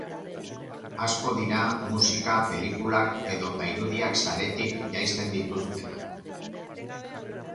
Asko dira musika, pelikulak edota irudiak saretik jaisten dituztenak.